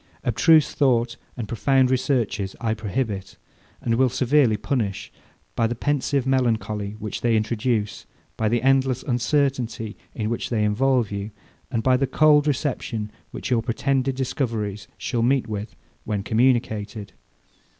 Abstruse thought and profound researches I prohibit, and will severely punish, by the pensive melancholy which they introduce, by the endless uncertainty in which they involve you, and by the cold reception which your pretended discoveries shall meet with, when communicated.